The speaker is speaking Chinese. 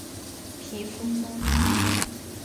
皮肤棕黑色。